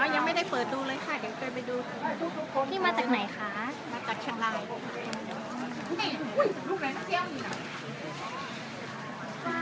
ยังไม่ได้เปิดดูเลยค่ะเดี๋ยวไปดู